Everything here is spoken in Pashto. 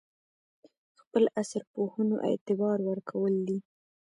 خپل عصر پوهنو اعتبار ورکول دي.